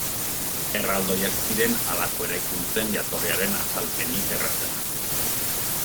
Erraldoiak ziren halako eraikuntzen jatorriaren azalpenik errazena.